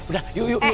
udah yuk yuk yuk